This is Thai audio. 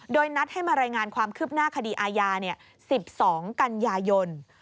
โดยนัดให้มารายงานความคืบหน้าคดีอาญา๑๒กันยายน